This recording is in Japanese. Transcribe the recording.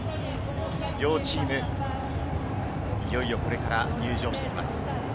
両チーム、いよいよこれから入場してきます。